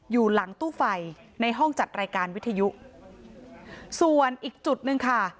อยู่หลังตู้ไฟในห้องจัดรายการวิทยุส่วนอีกจุดหนึ่งค่ะ